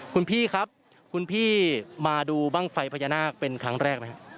คุณพี่ครับคุณพี่มาดูบ้างไฟพญานาคเป็นครั้งแรกไหมครับ